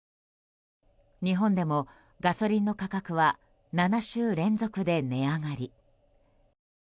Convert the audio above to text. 日本でもガソリンの価格は７週連続で値上がり。